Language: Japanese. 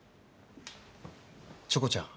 チョコちゃん。